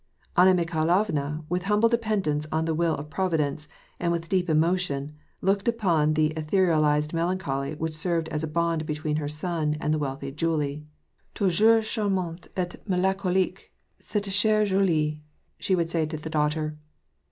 Anna Mikhailovna, with humble dependence on the will of Provi dence, and with deep emotion, looked upon the etherealized melancholy which served as a bond between her son and the wealthy Julie. " Toujours charmante et melancoliquey cette chere JuliCj^ she would say to the daughter.